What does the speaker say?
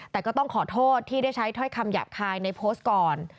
แต่ก็ต้องขอโทษที่ได้ใช้ถ้อยคำหยาบคายในโพสต์ก่อน